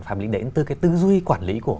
phạm lý đến từ cái tư duy quản lý của